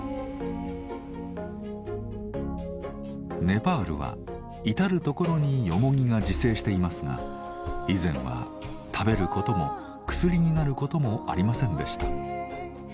ネパールは至る所にヨモギが自生していますが以前は食べることも薬になることもありませんでした。